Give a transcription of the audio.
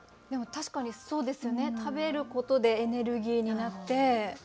でも確かにそうですよね食べることでエネルギーになって。